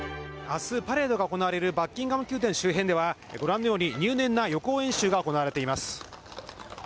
あす、パレードが行われるバッキンガム宮殿周辺では、ご覧のように入念な予行演習が行われています。